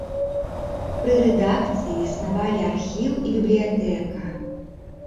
Пры рэдакцыі існавалі архіў і бібліятэка.